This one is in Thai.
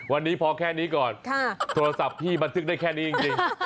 วันนี้พอแค่นี้ก่อนโทรศัพท์พี่บันทึกได้แค่นี้จริง